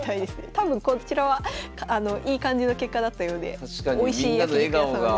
多分こちらはいい感じの結果だったようでおいしい焼き肉屋さんで。